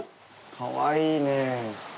かわいいねえ。